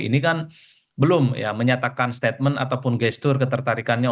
ini kan belum menyatakan statement ataupun gestur ketertarikannya